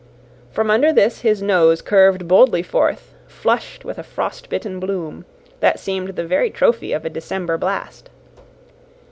From under this his nose curved boldly forth, flushed with a frost bitten bloom, that seemed the very trophy of a December blast.